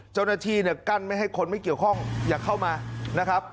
เจ้าหน้าที่เนี่ยกั้นไม่ให้คนไม่เกี่ยวข้องอย่าเข้ามานะครับ